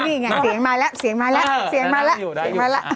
เสียงมาแล้วเสียงมาแล้ว